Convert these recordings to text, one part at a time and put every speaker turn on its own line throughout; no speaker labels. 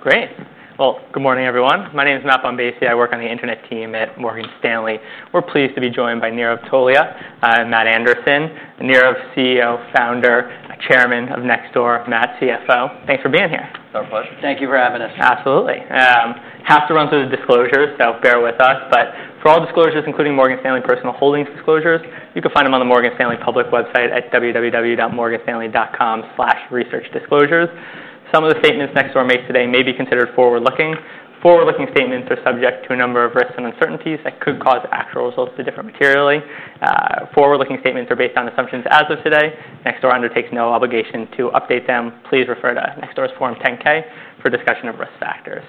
Great. Good morning, everyone. My name is Matt Bombassei. I work on the Internet team at Morgan Stanley. We're pleased to be joined by Nirav Tolia, Matt Anderson, Nirav CEO, founder, chairman of Nextdoor, Matt, CFO. Thanks for being here.
It's our pleasure.
Thank you for having us.
Absolutely. Have to run through the disclosures, so bear with us. For all disclosures, including Morgan Stanley personal holdings disclosures, you can find them on the Morgan Stanley public website at www.morganstanley.com/researchdisclosures. Some of the statements Nextdoor makes today may be considered forward-looking. Forward-looking statements are subject to a number of risks and uncertainties that could cause actual results to differ materially. Forward-looking statements are based on assumptions as of today. Nextdoor undertakes no obligation to update them. Please refer to Nextdoor's Form 10-K for discussion of risk factors.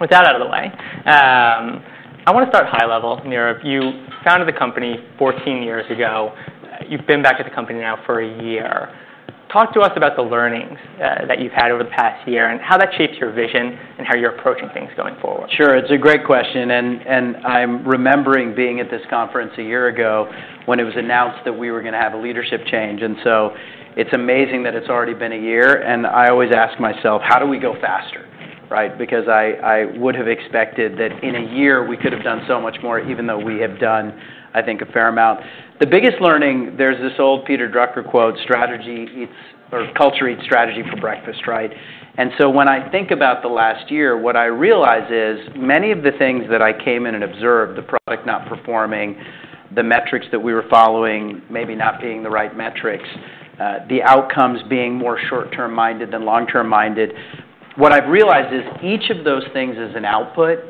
With that out of the way, I want to start high level, Nirav. You founded the company 14 years ago. You've been back at the company now for a year. Talk to us about the learnings that you've had over the past year and how that shapes your vision and how you're approaching things going forward.
Sure. It's a great question. I'm remembering being at this conference a year ago when it was announced that we were going to have a leadership change. It's amazing that it's already been a year. I always ask myself, how do we go faster? I would have expected that in a year we could have done so much more, even though we have done, I think, a fair amount. The biggest learning, there's this old Peter Drucker quote, "Culture eats strategy for breakfast." When I think about the last year, what I realize is many of the things that I came in and observed, the product not performing, the metrics that we were following maybe not being the right metrics, the outcomes being more short-term minded than long-term minded. What I've realized is each of those things is an output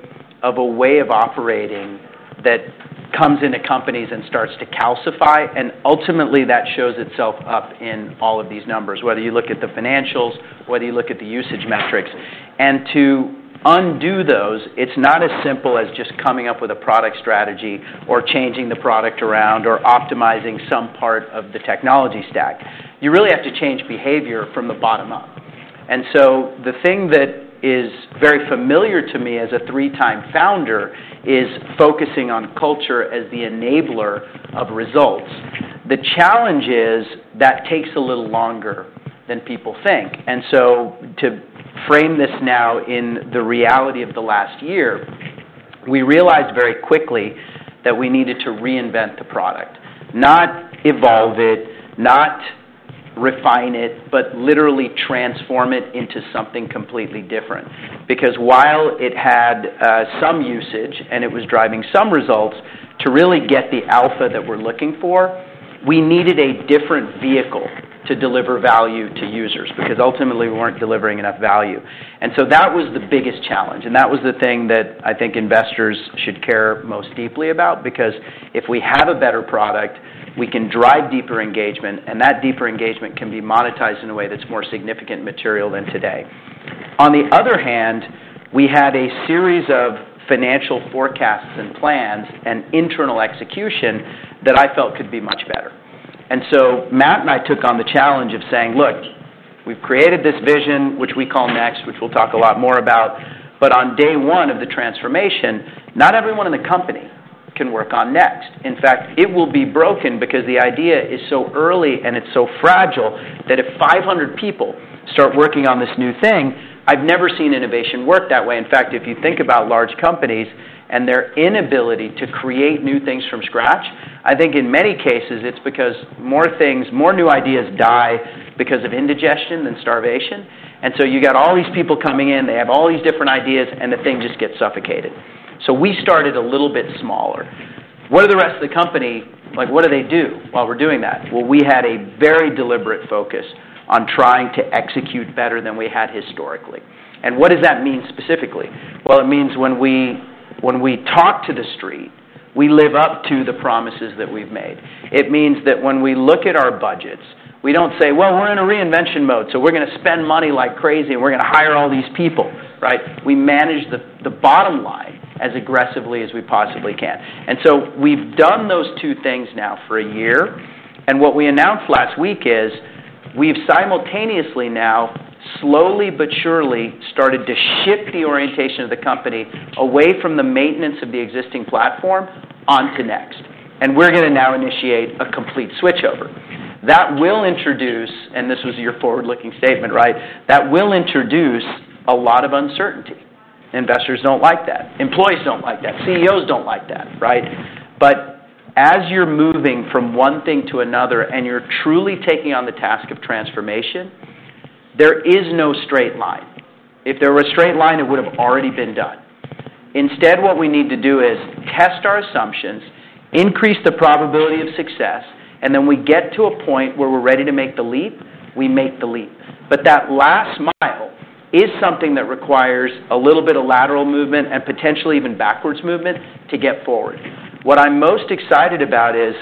of a way of operating that comes into companies and starts to calcify. Ultimately, that shows itself up in all of these numbers, whether you look at the financials, whether you look at the usage metrics. To undo those, it's not as simple as just coming up with a product strategy or changing the product around or optimizing some part of the technology stack. You really have to change behavior from the bottom up. The thing that is very familiar to me as a three-time founder is focusing on culture as the enabler of results. The challenge is that takes a little longer than people think. To frame this now in the reality of the last year, we realized very quickly that we needed to reinvent the product, not evolve it, not refine it, but literally transform it into something completely different. Because while it had some usage and it was driving some results, to really get the alpha that we're looking for, we needed a different vehicle to deliver value to users because ultimately we weren't delivering enough value. That was the biggest challenge. That was the thing that I think investors should care most deeply about because if we have a better product, we can drive deeper engagement. That deeper engagement can be monetized in a way that's more significant and material than today. On the other hand, we had a series of financial forecasts and plans and internal execution that I felt could be much better. Matt and I took on the challenge of saying, "Look, we've created this vision, which we call Next, which we'll talk a lot more about. On day one of the transformation, not everyone in the company can work on Next. In fact, it will be broken because the idea is so early and it's so fragile that if 500 people start working on this new thing, I've never seen innovation work that way." In fact, if you think about large companies and their inability to create new things from scratch, I think in many cases it's because more things, more new ideas die because of indigestion than starvation. You got all these people coming in, they have all these different ideas, and the thing just gets suffocated. We started a little bit smaller. What are the rest of the company like, what do they do while we're doing that? We had a very deliberate focus on trying to execute better than we had historically. What does that mean specifically? It means when we talk to the street, we live up to the promises that we've made. It means that when we look at our budgets, we don't say, "We're in a reinvention mode, so we're going to spend money like crazy and we're going to hire all these people." We manage the bottom line as aggressively as we possibly can. We have done those two things now for a year. What we announced last week is we've simultaneously now slowly but surely started to shift the orientation of the company away from the maintenance of the existing platform onto Next. We are going to now initiate a complete switchover. That will introduce, and this was your forward-looking statement, that will introduce a lot of uncertainty. Investors do not like that. Employees do not like that. CEOs do not like that. As you are moving from one thing to another and you are truly taking on the task of transformation, there is no straight line. If there were a straight line, it would have already been done. Instead, what we need to do is test our assumptions, increase the probability of success, and then we get to a point where we are ready to make the leap, we make the leap. That last mile is something that requires a little bit of lateral movement and potentially even backwards movement to get forward. What I'm most excited about is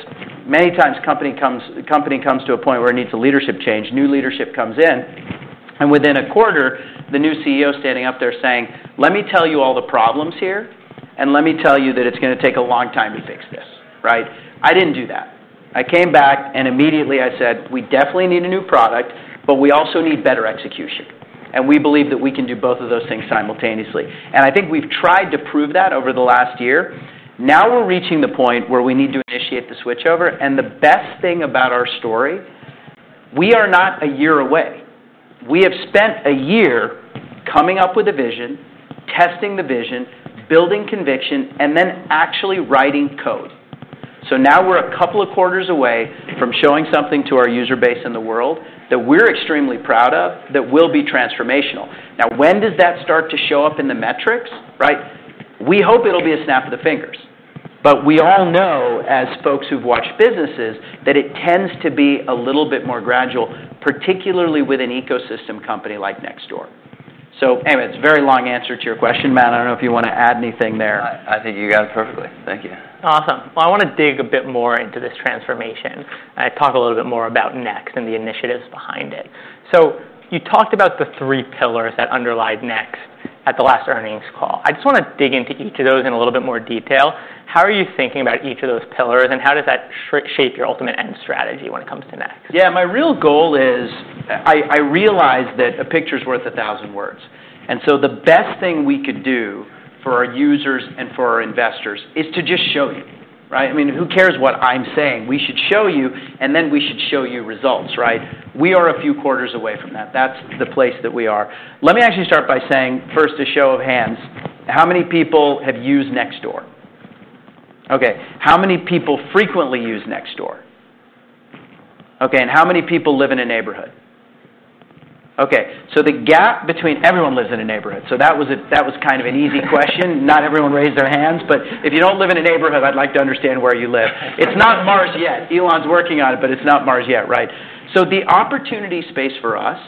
many times a company comes to a point where it needs a leadership change, new leadership comes in, and within a quarter, the new CEO is standing up there saying, "Let me tell you all the problems here, and let me tell you that it's going to take a long time to fix this." I didn't do that. I came back and immediately I said, "We definitely need a new product, but we also need better execution. And we believe that we can do both of those things simultaneously." I think we've tried to prove that over the last year. Now we're reaching the point where we need to initiate the switchover. The best thing about our story, we are not a year away. We have spent a year coming up with a vision, testing the vision, building conviction, and then actually writing code. Now we're a couple of quarters away from showing something to our user base in the world that we're extremely proud of that will be transformational. When does that start to show up in the metrics? We hope it'll be a snap of the fingers. We all know as folks who've watched businesses that it tends to be a little bit more gradual, particularly with an ecosystem company like Nextdoor. Anyway, it's a very long answer to your question, Matt. I don't know if you want to add anything there.
I think you got it perfectly. Thank you.
Awesome. I want to dig a bit more into this transformation and talk a little bit more about Next and the initiatives behind it. You talked about the three pillars that underlied Next at the last earnings call. I just want to dig into each of those in a little bit more detail. How are you thinking about each of those pillars and how does that shape your ultimate end strategy when it comes to Next?
Yeah. My real goal is I realize that a picture's worth a thousand words. And so the best thing we could do for our users and for our investors is to just show you. Who cares what I'm saying? We should show you, and then we should show you results. We are a few quarters away from that. That's the place that we are. Let me actually start by saying first a show of hands. How many people have used Nextdoor? How many people frequently use Nextdoor? And how many people live in a neighborhood? The gap between everyone lives in a neighborhood. That was kind of an easy question. Not everyone raised their hands. If you don't live in a neighborhood, I'd like to understand where you live. It's not Mars yet. Elon's working on it, but it's not Mars yet. The opportunity space for us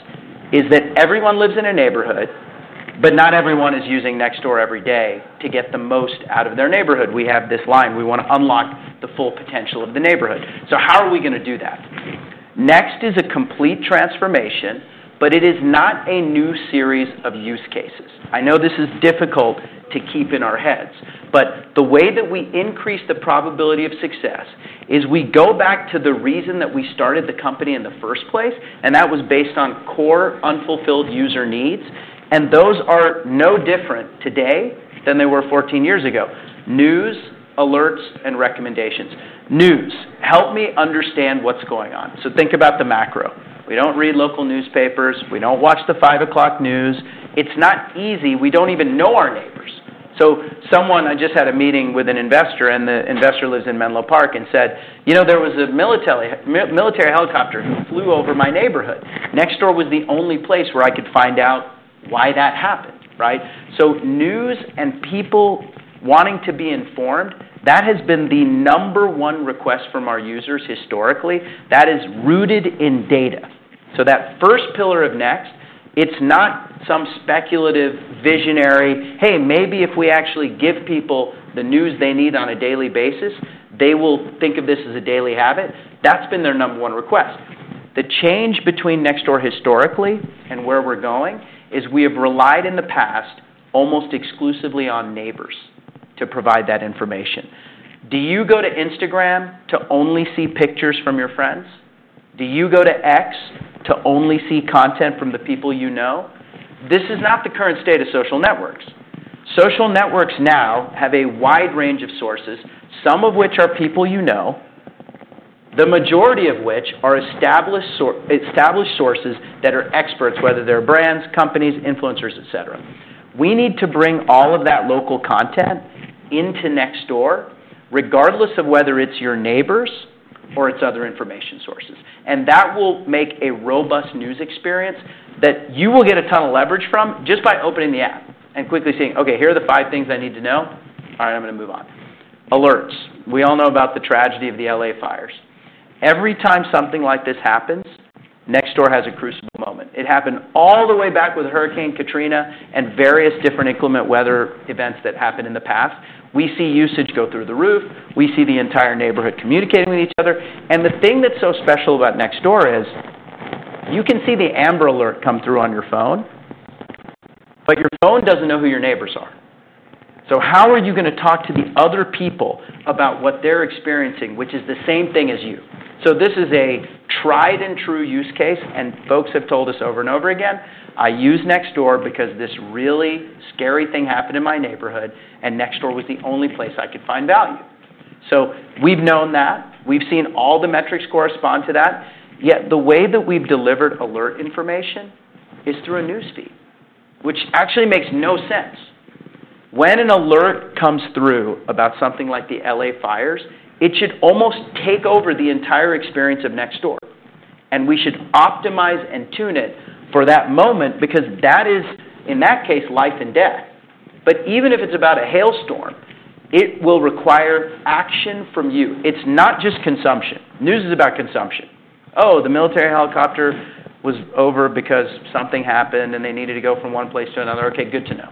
is that everyone lives in a neighborhood, but not everyone is using Nextdoor every day to get the most out of their neighborhood. We have this line. We want to unlock the full potential of the neighborhood. How are we going to do that? Next is a complete transformation, but it is not a new series of use cases. I know this is difficult to keep in our heads, but the way that we increase the probability of success is we go back to the reason that we started the company in the first place, and that was based on core unfulfilled user needs. Those are no different today than they were 14 years ago. News, alerts, and recommendations. News, help me understand what's going on. Think about the macro. We do not read local newspapers. We do not watch the 5 o'clock news. It is not easy. We do not even know our neighbors. Someone I just had a meeting with, an investor, lives in Menlo Park, and said, "There was a military helicopter who flew over my neighborhood. Nextdoor was the only place where I could find out why that happened." News and people wanting to be informed, that has been the number one request from our users historically. That is rooted in data. That first pillar of Next, it is not some speculative visionary, "Hey, maybe if we actually give people the news they need on a daily basis, they will think of this as a daily habit." That has been their number one request. The change between Nextdoor historically and where we are going is we have relied in the past almost exclusively on neighbors to provide that information. Do you go to Instagram to only see pictures from your friends? Do you go to X to only see content from the people you know? This is not the current state of social networks. Social networks now have a wide range of sources, some of which are people you know, the majority of which are established sources that are experts, whether they're brands, companies, influencers, etc. We need to bring all of that local content into Nextdoor, regardless of whether it's your neighbors or it's other information sources. That will make a robust news experience that you will get a ton of leverage from just by opening the app and quickly saying, "Okay, here are the five things I need to know. All right, I'm going to move on." Alerts. We all know about the tragedy of the L.A. fires. Every time something like this happens, Nextdoor has a crucible moment. It happened all the way back with Hurricane Katrina and various different inclement weather events that happened in the past. We see usage go through the roof. We see the entire neighborhood communicating with each other. The thing that's so special about Nextdoor is you can see the Amber alert come through on your phone, but your phone doesn't know who your neighbors are. How are you going to talk to the other people about what they're experiencing, which is the same thing as you? This is a tried and true use case. Folks have told us over and over again, "I use Nextdoor because this really scary thing happened in my neighborhood, and Nextdoor was the only place I could find value." We've known that. We've seen all the metrics correspond to that. Yet the way that we've delivered alert information is through a news feed, which actually makes no sense. When an alert comes through about something like the L.A. fires, it should almost take over the entire experience of Nextdoor. We should optimize and tune it for that moment because that is, in that case, life and death. Even if it's about a hailstorm, it will require action from you. It's not just consumption. News is about consumption. "Oh, the military helicopter was over because something happened and they needed to go from one place to another." Okay, good to know.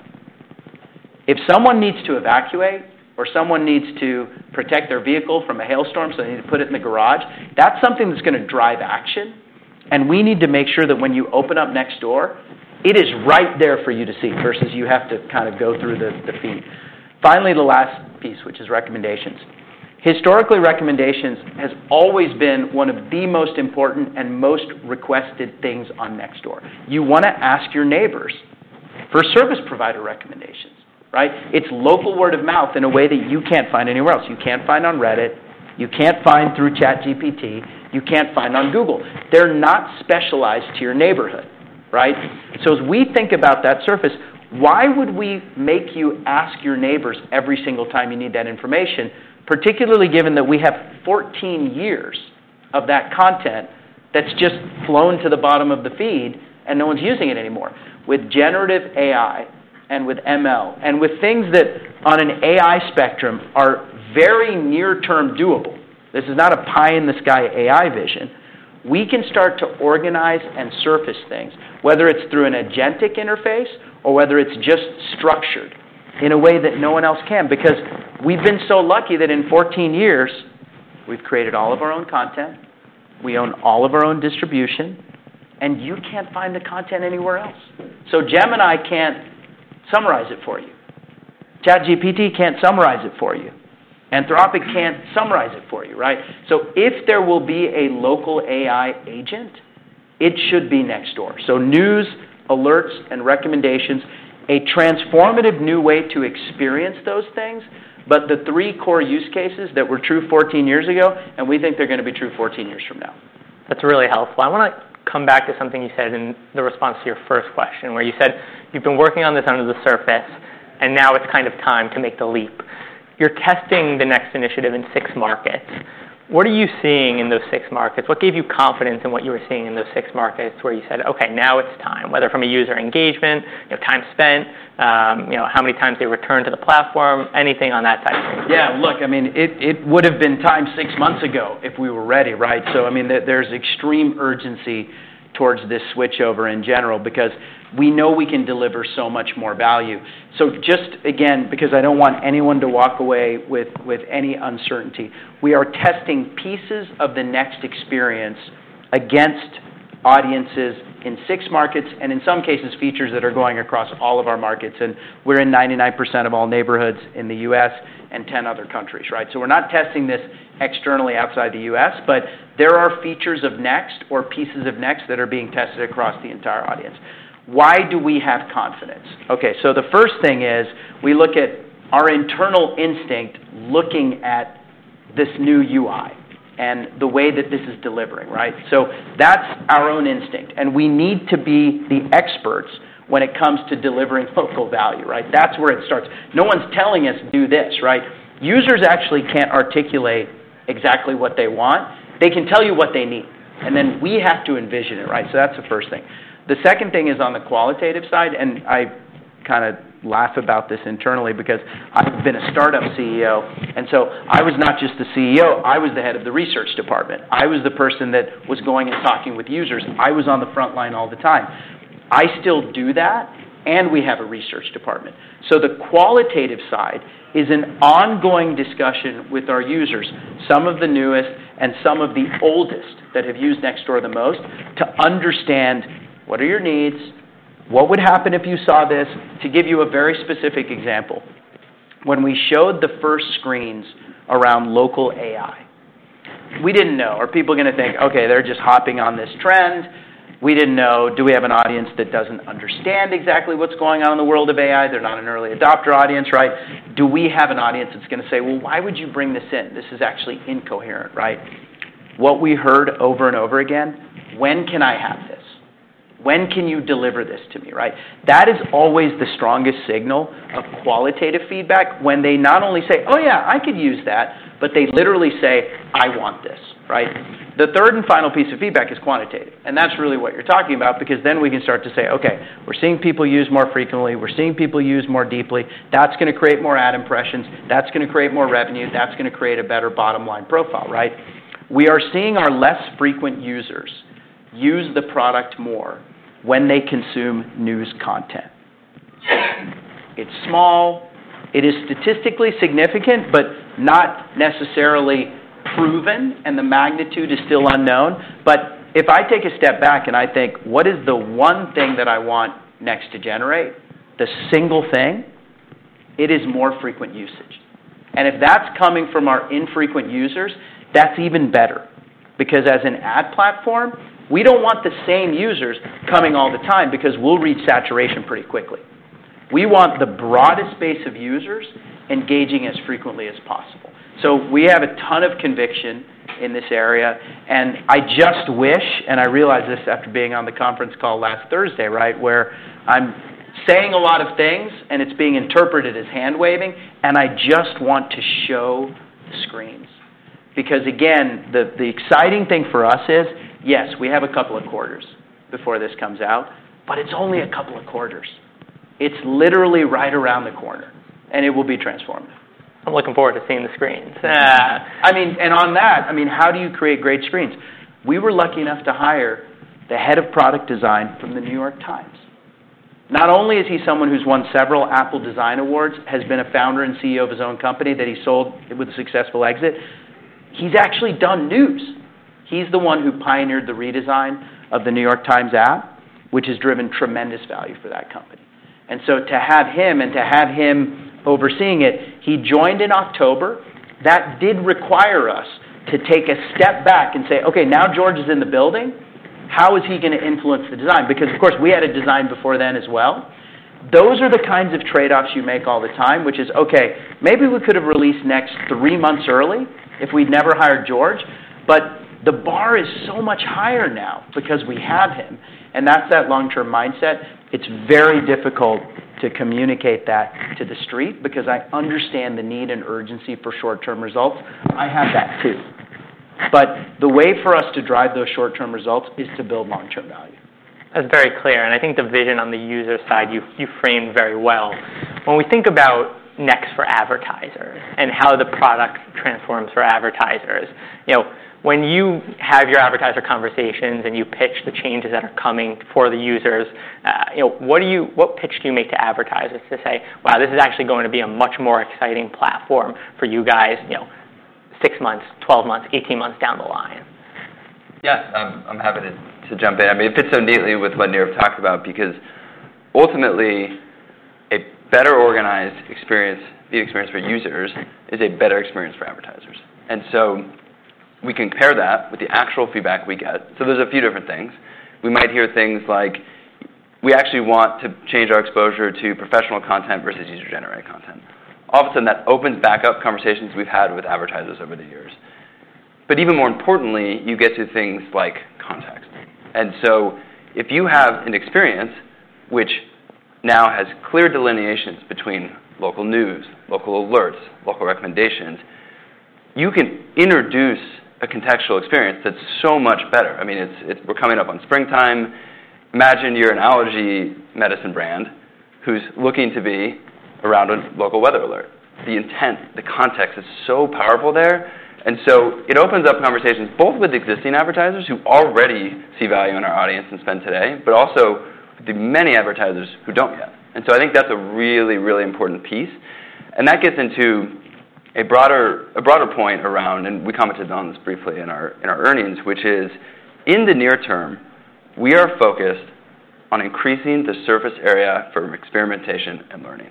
If someone needs to evacuate or someone needs to protect their vehicle from a hailstorm, so they need to put it in the garage, that's something that's going to drive action. We need to make sure that when you open up Nextdoor, it is right there for you to see versus you have to kind of go through the feed. Finally, the last piece, which is recommendations. Historically, recommendations has always been one of the most important and most requested things on Nextdoor. You want to ask your neighbors for service provider recommendations. It's local word of mouth in a way that you can't find anywhere else. You can't find on Reddit. You can't find through ChatGPT. You can't find on Google. They're not specialized to your neighborhood. As we think about that surface, why would we make you ask your neighbors every single time you need that information, particularly given that we have 14 years of that content that's just flown to the bottom of the feed and no one's using it anymore? With generative AI and with ML and with things that on an AI spectrum are very near-term doable, this is not a pie-in-the-sky AI vision. We can start to organize and surface things, whether it's through an agentic interface or whether it's just structured in a way that no one else can. Because we've been so lucky that in 14 years, we've created all of our own content. We own all of our own distribution, and you can't find the content anywhere else. Gemini can't summarize it for you. ChatGPT can't summarize it for you. Anthropic can't summarize it for you. If there will be a local AI agent, it should be Nextdoor. News, alerts, and recommendations, a transformative new way to experience those things, but the three core use cases that were true 14 years ago, and we think they're going to be true 14 years from now.
That's really helpful. I want to come back to something you said in the response to your first question where you said you've been working on this under the surface, and now it's kind of time to make the leap. You're testing the Next initiative in six markets. What are you seeing in those six markets? What gave you confidence in what you were seeing in those six markets where you said, "Okay, now it's time," whether from a user engagement, time spent, how many times they returned to the platform, anything on that type of thing?
Yeah. Look, I mean, it would have been time six months ago if we were ready. There is extreme urgency towards this switchover in general because we know we can deliver so much more value. Just again, because I do not want anyone to walk away with any uncertainty, we are testing pieces of the Next experience against audiences in six markets and in some cases features that are going across all of our markets. We are in 99% of all neighborhoods in the U.S. and 10 other countries. We are not testing this externally outside the U.S., but there are features of Next or pieces of Next that are being tested across the entire audience. Why do we have confidence? The first thing is we look at our internal instinct looking at this new UI and the way that this is delivering. That is our own instinct. We need to be the experts when it comes to delivering focal value. That's where it starts. No one's telling us, "Do this." Users actually can't articulate exactly what they want. They can tell you what they need, and then we have to envision it. That's the first thing. The second thing is on the qualitative side, and I kind of laugh about this internally because I've been a startup CEO, and I was not just the CEO. I was the head of the research department. I was the person that was going and talking with users. I was on the front line all the time. I still do that, and we have a research department. The qualitative side is an ongoing discussion with our users, some of the newest and some of the oldest that have used Nextdoor the most, to understand what are your needs, what would happen if you saw this. To give you a very specific example, when we showed the first screens around local AI, we didn't know. Are people going to think, "Okay, they're just hopping on this trend?" We didn't know, "Do we have an audience that doesn't understand exactly what's going on in the world of AI?" They're not an early adopter audience. Do we have an audience that's going to say, "Well, why would you bring this in? This is actually incoherent." What we heard over and over again, "When can I have this? When can you deliver this to me?" That is always the strongest signal of qualitative feedback when they not only say, "Oh yeah, I could use that," but they literally say, "I want this." The third and final piece of feedback is quantitative, and that's really what you're talking about because then we can start to say, "Okay, we're seeing people use more frequently. We're seeing people use more deeply. That's going to create more ad impressions. That's going to create more revenue. That's going to create a better bottom line profile." We are seeing our less frequent users use the product more when they consume news content. It's small. It is statistically significant, but not necessarily proven, and the magnitude is still unknown. If I take a step back and I think, "What is the one thing that I want Next to generate, the single thing?" it is more frequent usage. If that's coming from our infrequent users, that's even better because as an ad platform, we do not want the same users coming all the time because we will reach saturation pretty quickly. We want the broadest base of users engaging as frequently as possible. We have a ton of conviction in this area. I just wish, and I realized this after being on the conference call last Thursday where I am saying a lot of things, and it is being interpreted as hand waving, I just want to show the screens. Again, the exciting thing for us is, yes, we have a couple of quarters before this comes out, but it is only a couple of quarters. It's literally right around the corner, and it will be transformative.
I'm looking forward to seeing the screens.
I mean, and on that, I mean, how do you create great screens? We were lucky enough to hire the head of product design from the New York Times. Not only is he someone who's won several Apple Design Awards, has been a founder and CEO of his own company that he sold with a successful exit, he's actually done news. He's the one who pioneered the redesign of the New York Times app, which has driven tremendous value for that company. To have him and to have him overseeing it, he joined in October. That did require us to take a step back and say, "Okay, now George is in the building. How is he going to influence the design?" Of course, we had a design before then as well. Those are the kinds of trade-offs you make all the time, which is, "Okay, maybe we could have released Next three months early if we'd never hired George." The bar is so much higher now because we have him, and that's that long-term mindset. It's very difficult to communicate that to the street because I understand the need and urgency for short-term results. I have that too. The way for us to drive those short-term results is to build long-term value.
That's very clear. I think the vision on the user side, you framed very well. When we think about Next for advertisers and how the product transforms for advertisers, when you have your advertiser conversations and you pitch the changes that are coming for the users, what pitch do you make to advertisers to say, "Wow, this is actually going to be a much more exciting platform for you guys 6 months, 12 months, 18 months down the line?
Yeah. I'm happy to jump in. I mean, it fits so neatly with what Nirav talked about because ultimately, a better organized experience, the experience for users, is a better experience for advertisers. We compare that with the actual feedback we get. There's a few different things. We might hear things like, "We actually want to change our exposure to professional content versus user-generated content." All of a sudden, that opens back up conversations we've had with advertisers over the years. Even more importantly, you get to things like context. If you have an experience which now has clear delineations between local news, local alerts, local recommendations, you can introduce a contextual experience that's so much better. I mean, we're coming up on springtime. Imagine you're an allergy medicine brand who's looking to be around a local weather alert. The intent, the context is so powerful there. It opens up conversations both with existing advertisers who already see value in our audience and spend today, but also the many advertisers who do not yet. I think that is a really, really important piece. That gets into a broader point around, and we commented on this briefly in our earnings, which is in the near term, we are focused on increasing the surface area for experimentation and learning.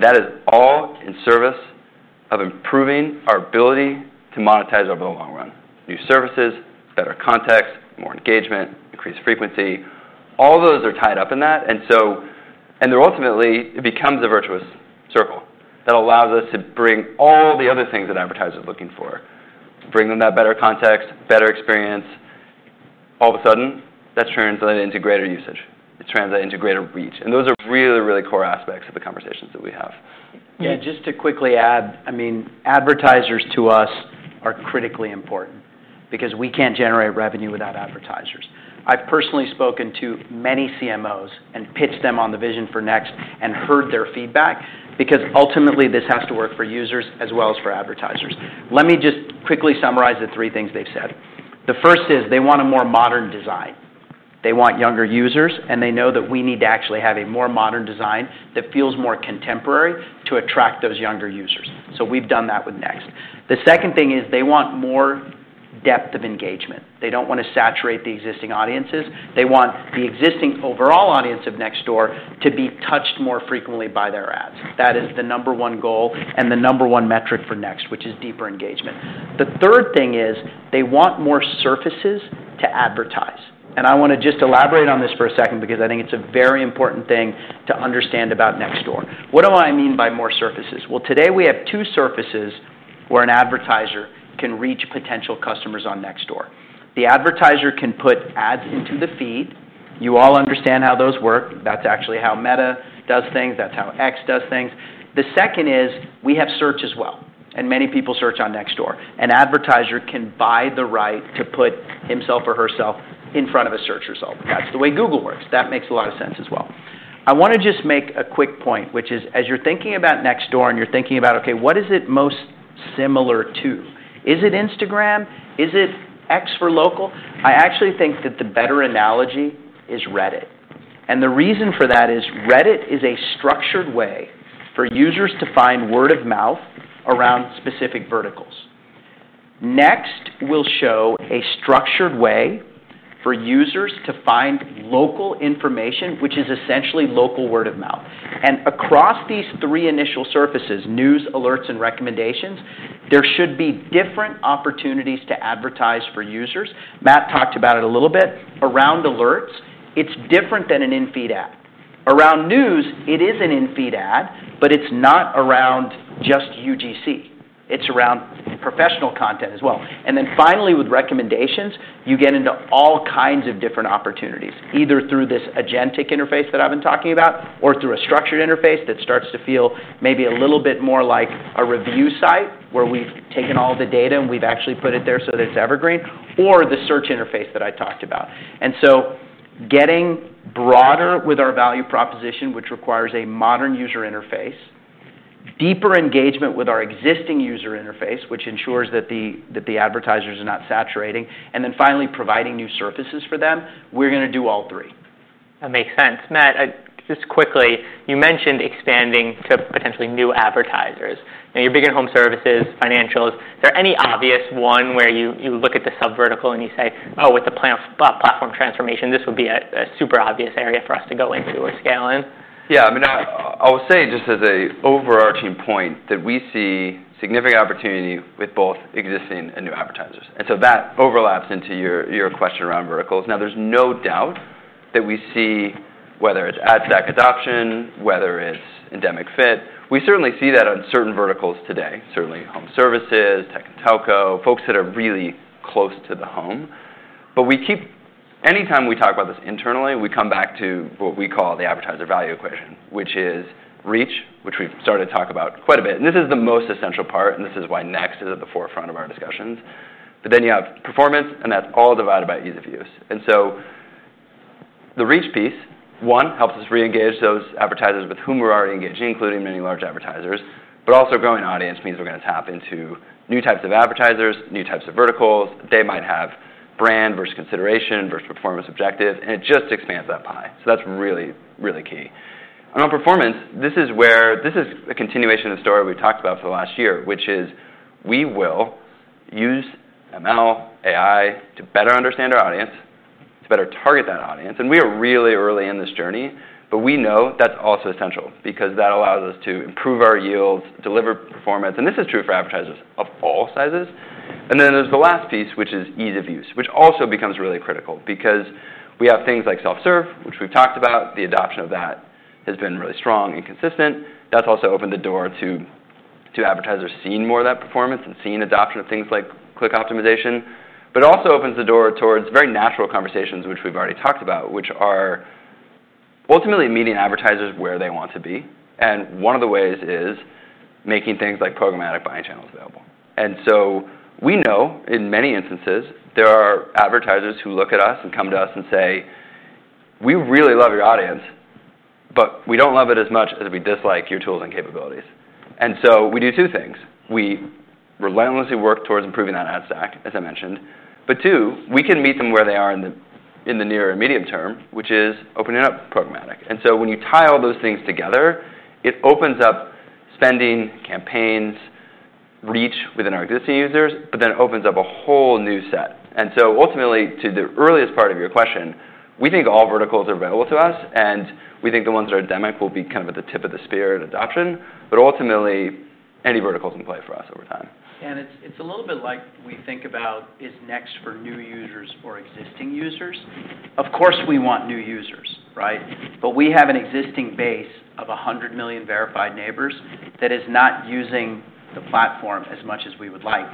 That is all in service of improving our ability to monetize over the long run. New services, better context, more engagement, increased frequency, all those are tied up in that. Ultimately, it becomes a virtuous circle that allows us to bring all the other things that advertisers are looking for, bring them that better context, better experience. All of a sudden, that is translated into greater usage. It's translated into greater reach. Those are really, really core aspects of the conversations that we have.
Yeah. Just to quickly add, I mean, advertisers to us are critically important because we can't generate revenue without advertisers. I've personally spoken to many CMOs and pitched them on the vision for Next and heard their feedback because ultimately, this has to work for users as well as for advertisers. Let me just quickly summarize the three things they've said. The first is they want a more modern design. They want younger users, and they know that we need to actually have a more modern design that feels more contemporary to attract those younger users. We've done that with Next. The second thing is they want more depth of engagement. They don't want to saturate the existing audiences. They want the existing overall audience of Nextdoor to be touched more frequently by their ads. That is the number one goal and the number one metric for Next, which is deeper engagement. The third thing is they want more surfaces to advertise. I want to just elaborate on this for a second because I think it is a very important thing to understand about Nextdoor. What do I mean by more surfaces? Today we have two surfaces where an advertiser can reach potential customers on Nextdoor. The advertiser can put ads into the feed. You all understand how those work. That is actually how Meta does things. That is how X does things. The second is we have search as well. Many people search on Nextdoor. An advertiser can buy the right to put himself or herself in front of a search result. That is the way Google works. That makes a lot of sense as well. I want to just make a quick point, which is as you're thinking about Nextdoor and you're thinking about, "Okay, what is it most similar to? Is it Instagram? Is it X for local?" I actually think that the better analogy is Reddit. The reason for that is Reddit is a structured way for users to find word of mouth around specific verticals. Next will show a structured way for users to find local information, which is essentially local word of mouth. Across these three initial surfaces, news, alerts, and recommendations, there should be different opportunities to advertise for users. Matt talked about it a little bit. Around alerts, it's different than an infeed ad. Around news, it is an infeed ad, but it's not around just UGC. It's around professional content as well. Finally, with recommendations, you get into all kinds of different opportunities, either through this agentic interface that I've been talking about or through a structured interface that starts to feel maybe a little bit more like a review site where we've taken all the data and we've actually put it there so that it's evergreen or the search interface that I talked about. Getting broader with our value proposition, which requires a modern user interface, deeper engagement with our existing user interface, which ensures that the advertisers are not saturating, and finally providing new surfaces for them, we're going to do all three.
That makes sense. Matt, just quickly, you mentioned expanding to potentially new advertisers. Now, you're big on home services, financials. Is there any obvious one where you look at the subvertical and you say, "Oh, with the platform transformation, this would be a super obvious area for us to go into or scale in?
Yeah. I mean, I will say just as an overarching point that we see significant opportunity with both existing and new advertisers. That overlaps into your question around verticals. Now, there's no doubt that we see whether it's ad stack adoption, whether it's endemic fit. We certainly see that on certain verticals today, certainly home services, tech and telco, folks that are really close to the home. Anytime we talk about this internally, we come back to what we call the advertiser value equation, which is reach, which we've started to talk about quite a bit. This is the most essential part, and this is why Next is at the forefront of our discussions. Then you have performance, and that's all divided by ease of use. The reach piece, one, helps us re-engage those advertisers with whom we're already engaging, including many large advertisers. Growing audience means we're going to tap into new types of advertisers, new types of verticals. They might have brand versus consideration versus performance objective, and it just expands that pie. That is really, really key. On performance, this is a continuation of the story we've talked about for the last year, which is we will use ML, AI to better understand our audience, to better target that audience. We are really early in this journey, but we know that is also essential because that allows us to improve our yields, deliver performance. This is true for advertisers of all sizes. There is the last piece, which is ease of use, which also becomes really critical because we have things like self-serve, which we've talked about. The adoption of that has been really strong and consistent. That has also opened the door to advertisers seeing more of that performance and seeing adoption of things like click optimization. It also opens the door towards very natural conversations, which we've already talked about, which are ultimately meeting advertisers where they want to be. One of the ways is making things like programmatic buying channels available. We know in many instances, there are advertisers who look at us and come to us and say, "We really love your audience, but we don't love it as much as we dislike your tools and capabilities." We do two things. We relentlessly work towards improving that ad stack, as I mentioned. Two, we can meet them where they are in the near and medium term, which is opening up programmatic. When you tie all those things together, it opens up spending, campaigns, reach within our existing users, but then it opens up a whole new set. Ultimately, to the earliest part of your question, we think all verticals are available to us, and we think the ones that are endemic will be kind of at the tip of the spear in adoption. Ultimately, any verticals can play for us over time.
It is a little bit like we think about is Next for new users or existing users. Of course, we want new users, right? We have an existing base of 100 million verified neighbors that is not using the platform as much as we would like.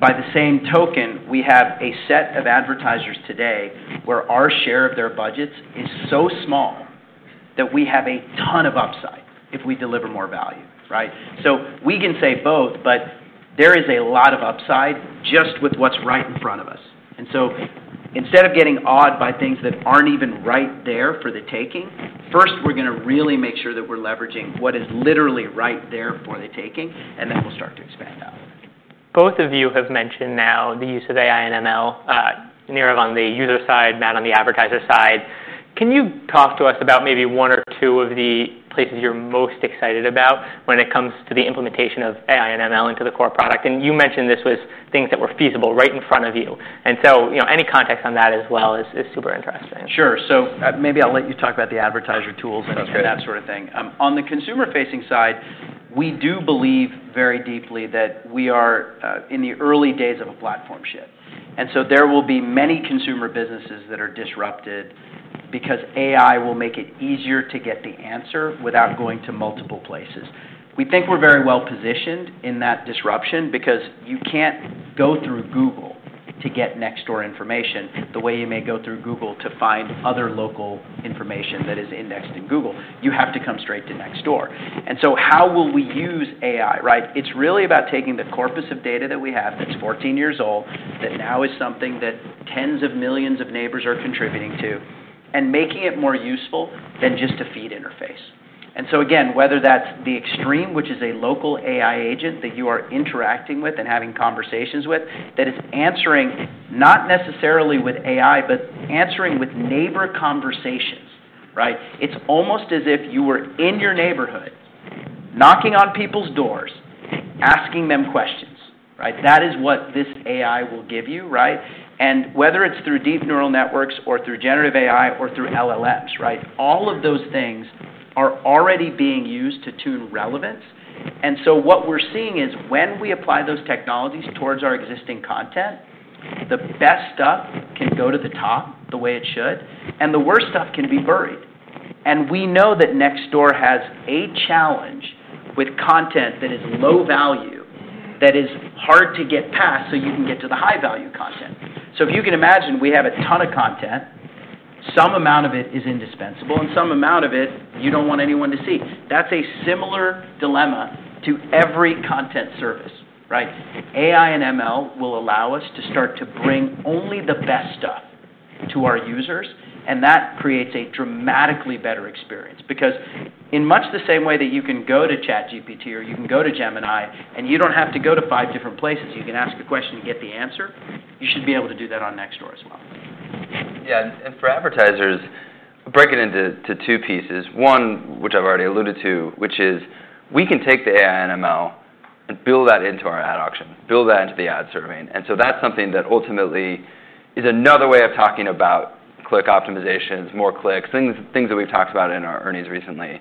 By the same token, we have a set of advertisers today where our share of their budgets is so small that we have a ton of upside if we deliver more value, right? We can say both, but there is a lot of upside just with what is right in front of us. Instead of getting awed by things that are not even right there for the taking, first, we are going to really make sure that we are leveraging what is literally right there for the taking, and then we will start to expand out.
Both of you have mentioned now the use of AI and ML, Nirav on the user side, Matt on the advertiser side. Can you talk to us about maybe one or two of the places you're most excited about when it comes to the implementation of AI and ML into the core product? You mentioned this was things that were feasible right in front of you. Any context on that as well is super interesting.
Sure. Maybe I'll let you talk about the advertiser tools and that sort of thing. On the consumer-facing side, we do believe very deeply that we are in the early days of a platform shift. There will be many consumer businesses that are disrupted because AI will make it easier to get the answer without going to multiple places. We think we're very well positioned in that disruption because you can't go through Google to get Nextdoor information the way you may go through Google to find other local information that is indexed in Google. You have to come straight to Nextdoor. How will we use AI, right? It's really about taking the corpus of data that we have that's 14 years old, that now is something that tens of millions of neighbors are contributing to, and making it more useful than just a feed interface. Again, whether that's the extreme, which is a local AI agent that you are interacting with and having conversations with, that is answering not necessarily with AI, but answering with neighbor conversations, right? It's almost as if you were in your neighborhood knocking on people's doors, asking them questions, right? That is what this AI will give you, right? Whether it's through deep neural networks or through generative AI or through LLMs, right? All of those things are already being used to tune relevance. What we're seeing is when we apply those technologies towards our existing content, the best stuff can go to the top the way it should, and the worst stuff can be buried. We know that Nextdoor has a challenge with content that is low value, that is hard to get past so you can get to the high value content. If you can imagine, we have a ton of content. Some amount of it is indispensable, and some amount of it, you do not want anyone to see. That is a similar dilemma to every content service, right? AI and ML will allow us to start to bring only the best stuff to our users, and that creates a dramatically better experience because in much the same way that you can go to ChatGPT or you can go to Gemini, and you do not have to go to five different places, you can ask a question and get the answer, you should be able to do that on Nextdoor as well.
Yeah. For advertisers, break it into two pieces. One, which I've already alluded to, which is we can take the AI and ML and build that into our ad auction, build that into the ad survey. That is something that ultimately is another way of talking about click optimizations, more clicks, things that we've talked about in our earnings recently.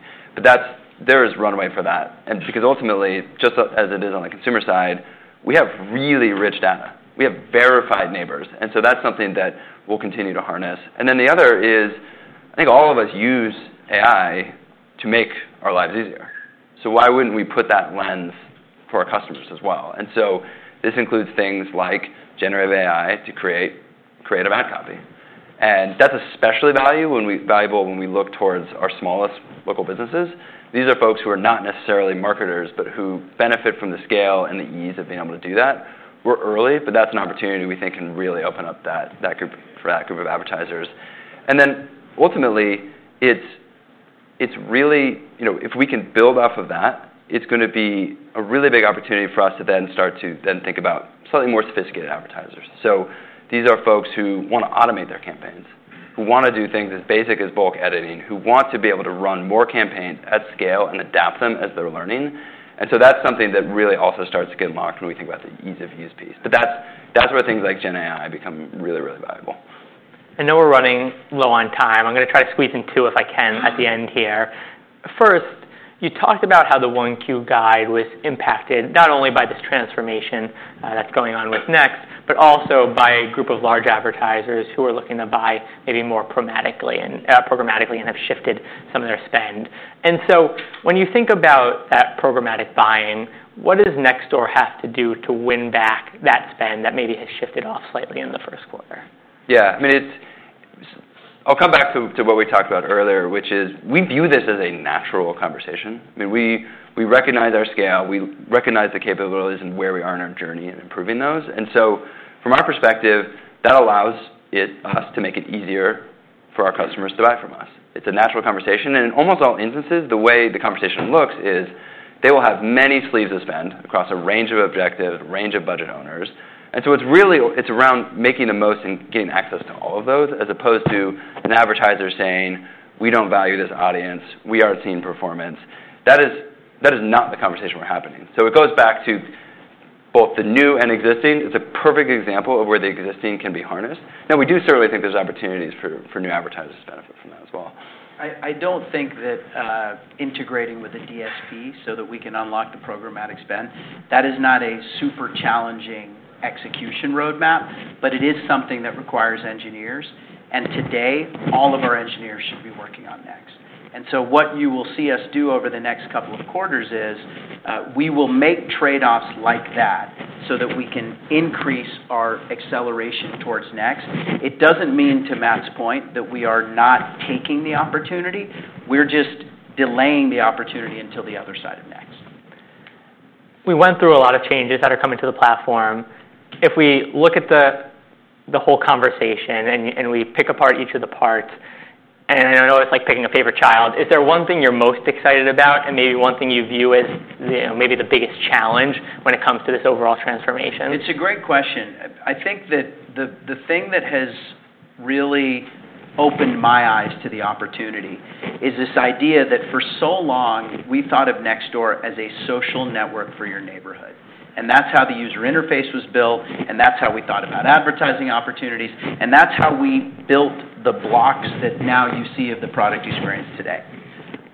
There is runway for that. Because ultimately, just as it is on the consumer side, we have really rich data. We have verified neighbors. That is something that we'll continue to harness. The other is I think all of us use AI to make our lives easier. Why wouldn't we put that lens for our customers as well? This includes things like generative AI to create creative ad copy. That is especially valuable when we look towards our smallest local businesses. These are folks who are not necessarily marketers, but who benefit from the scale and the ease of being able to do that. We are early, but that is an opportunity we think can really open up for that group of advertisers. Ultimately, if we can build off of that, it is going to be a really big opportunity for us to then start to think about slightly more sophisticated advertisers. These are folks who want to automate their campaigns, who want to do things as basic as bulk editing, who want to be able to run more campaigns at scale and adapt them as they are learning. That is something that really also starts to get unlocked when we think about the ease of use piece. That is where things like GenAI become really, really valuable.
I know we're running low on time. I'm going to try to squeeze in two if I can at the end here. First, you talked about how the OneCue guide was impacted not only by this transformation that's going on with Next, but also by a group of large advertisers who are looking to buy maybe more programmatically and have shifted some of their spend. When you think about that programmatic buying, what does Nextdoor have to do to win back that spend that maybe has shifted off slightly in the first quarter?
Yeah. I mean, I'll come back to what we talked about earlier, which is we view this as a natural conversation. I mean, we recognize our scale. We recognize the capabilities and where we are in our journey in improving those. From our perspective, that allows us to make it easier for our customers to buy from us. It's a natural conversation. In almost all instances, the way the conversation looks is they will have many sleeves of spend across a range of objectives, a range of budget owners. It's around making the most and getting access to all of those as opposed to an advertiser saying, "We don't value this audience. We aren't seeing performance." That is not the conversation we're having. It goes back to both the new and existing. It's a perfect example of where the existing can be harnessed. Now, we do certainly think there's opportunities for new advertisers to benefit from that as well.
I don't think that integrating with the DSP so that we can unlock the programmatic spend, that is not a super challenging execution roadmap, but it is something that requires engineers. Today, all of our engineers should be working on Next. What you will see us do over the next couple of quarters is we will make trade-offs like that so that we can increase our acceleration towards Next. It doesn't mean to Matt's point that we are not taking the opportunity. We're just delaying the opportunity until the other side of Next.
We went through a lot of changes that are coming to the platform. If we look at the whole conversation and we pick apart each of the parts, and I know it's like picking a favorite child, is there one thing you're most excited about and maybe one thing you view as maybe the biggest challenge when it comes to this overall transformation?
It's a great question. I think that the thing that has really opened my eyes to the opportunity is this idea that for so long, we thought of Nextdoor as a social network for your neighborhood. That's how the user interface was built, and that's how we thought about advertising opportunities, and that's how we built the blocks that now you see of the product experience today.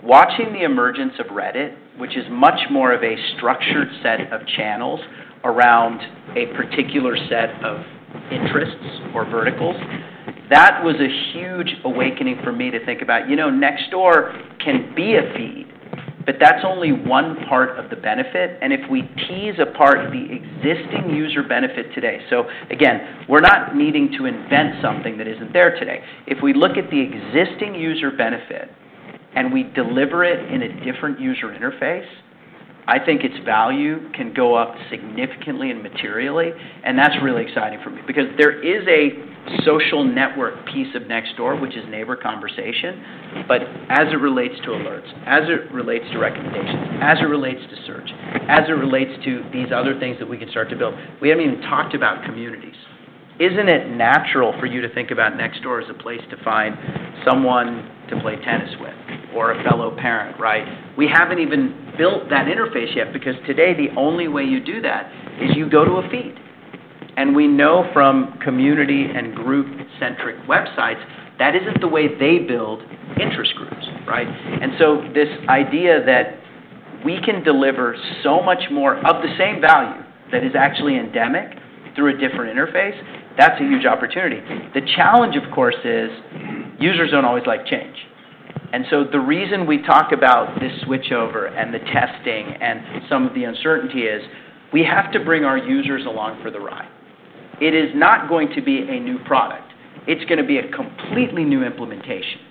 Watching the emergence of Reddit, which is much more of a structured set of channels around a particular set of interests or verticals, that was a huge awakening for me to think about. You know, Nextdoor can be a feed, but that's only one part of the benefit. If we tease apart the existing user benefit today, so again, we're not needing to invent something that isn't there today. If we look at the existing user benefit and we deliver it in a different user interface, I think its value can go up significantly and materially. That is really exciting for me because there is a social network piece of Nextdoor, which is neighbor conversation, but as it relates to alerts, as it relates to recommendations, as it relates to search, as it relates to these other things that we can start to build, we have not even talked about communities. Is it not natural for you to think about Nextdoor as a place to find someone to play tennis with or a fellow parent, right? We have not even built that interface yet because today, the only way you do that is you go to a feed. We know from community and group-centric websites, that is not the way they build interest groups, right? This idea that we can deliver so much more of the same value that is actually endemic through a different interface, that's a huge opportunity. The challenge, of course, is users do not always like change. The reason we talk about this switchover and the testing and some of the uncertainty is we have to bring our users along for the ride. It is not going to be a new product. It is going to be a completely new implementation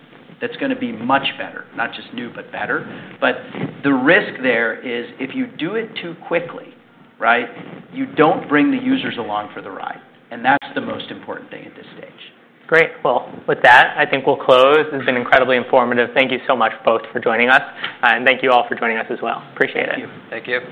that is going to be much better, not just new, but better. The risk there is if you do it too quickly, you do not bring the users along for the ride. That is the most important thing at this stage.
Great. With that, I think we'll close. It's been incredibly informative. Thank you so much, both, for joining us. Thank you all for joining us as well. Appreciate it.
Thank you.